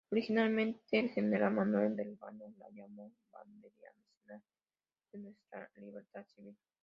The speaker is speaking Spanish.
Originalmente, el General Manuel Belgrano la llamó "Bandera Nacional de Nuestra Libertad Civil".